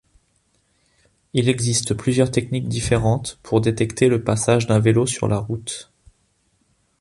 Il existe plusieurs techniques différentes pour détecter le passage d'un vélo sur la route.